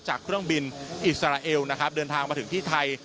เครื่องบินอิสราเอลนะครับเดินทางมาถึงที่ไทย